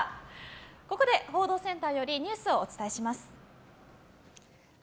ここで報道センターよりお伝えします。